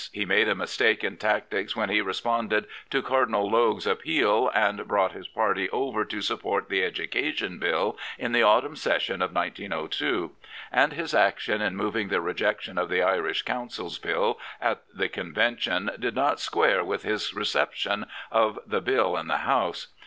He made a mistake in tactics when he responded to Cardinal Logue's appeal and brought his party over to sup port the Education Bill in the autumn Session of 1902. And his action in moving the rejection of the Irish Councils Bill at the Convention did not square 1X2 John Redmond with his reception of the Bill in the House.